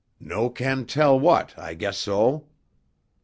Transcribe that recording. "No can tell what, I guess so!"